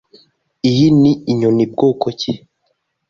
Iyi ni inyoni bwoko ki?